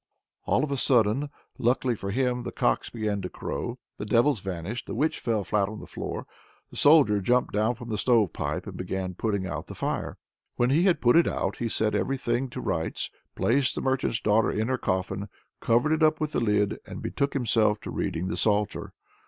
All of a sudden, luckily for him, the cocks began to crow, the devils vanished, the witch fell flat on the floor. The soldier jumped down from the stove pipe, and began putting out the fire. When he had put it out he set every thing to rights, placed the merchant's daughter in her coffin, covered it up with the lid, and betook himself to reading the psalter.